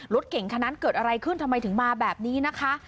รถเก่งคันนั้นเกิดอะไรขึ้นทำไมถึงมาแบบนี้นะคะ